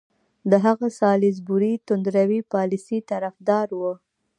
هغه د سالیزبوري توندروي پالیسۍ طرفدار وو.